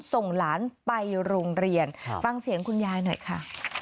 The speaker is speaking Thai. ส่งหลานไปโรงเรียนฟังเสียงคุณยายหน่อยค่ะ